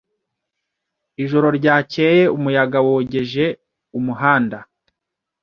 Ijoro ryakeye umuyaga wogeje umuhanda.